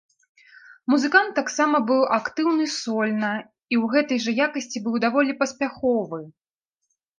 Музыкант таксама быў актыўны сольна і ў гэтай жа якасці быў даволі паспяховы.